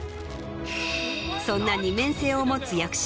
そんな２面性を持つ役者